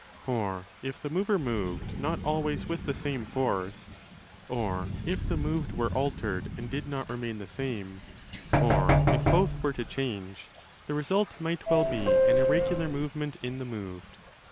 For if the mover moved not always 30 with the same force, or if the moved were altered and did not remain the same, or if both were to change, the result might well be an irregular movement in the moved.